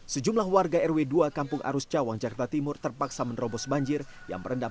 sejumlah warga rw dua kampung arus cawang jakarta timur terpaksa menerobos banjir yang merendam